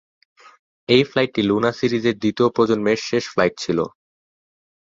এই ফ্লাইটটি লুনা সিরিজের দ্বিতীয় প্রজন্মের শেষ ফ্লাইট ছিল।